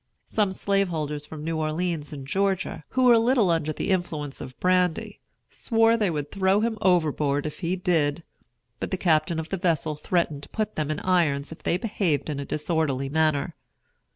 Some slaveholders from New Orleans and Georgia, who were a little under the influence of brandy, swore they would throw him overboard if he did; but the captain of the vessel threatened to put them in irons if they behaved in a disorderly manner.